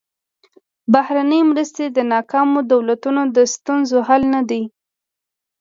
بهرنۍ مرستې د ناکامو دولتونو د ستونزو حل نه دي.